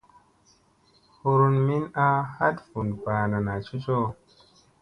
Hurun min a hat vun banana cocoʼo.